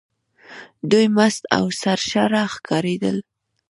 دوی مست او سرشاره ښکارېدل.